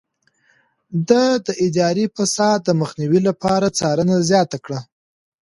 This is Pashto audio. ده د اداري فساد د مخنيوي لپاره څارنه زياته کړه.